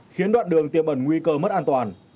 khiến đoạn đường tiêm bẩn nguy cơ mất an toàn